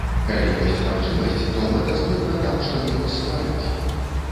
Калі ёсць магчымасць, то мэтазгодна там што-небудзь стварыць.